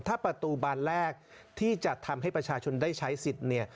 ถ้าประตูบานแรกที่จะทำให้ประชาชนได้ใช้สิทธิ์เนี่ย